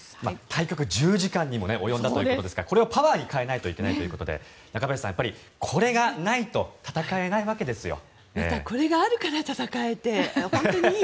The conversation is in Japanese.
対局１０時間にも及んだということでこれはパワーに変えないといけないということで中林さん、やっぱりこれがないと戦えないわけですよ。